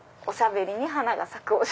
おしゃべりに花が咲く